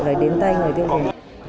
để đến tay người tiêu dùng